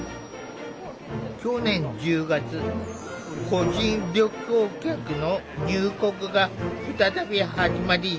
去年１０月個人旅行客の入国が再び始まり